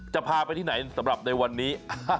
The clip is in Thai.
จะพาไปที่ไหนสำหรับในวันนี้